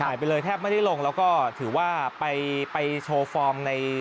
ไปเลยแทบไม่ได้ลงแล้วก็ถือว่าไปโชว์ฟอร์มใน